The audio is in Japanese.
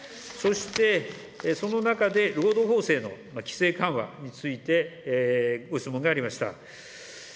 そしてその中で、労働法制の規制緩和についてご質問がありました。